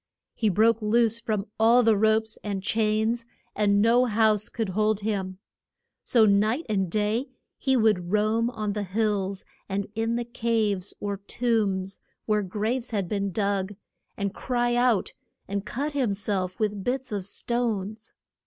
He broke loose from all the ropes and chains, and no house could hold him. So night and day he would roam on the hills and in the caves or tombs, where graves had been dug, and cry out and cut him self with bits of stones.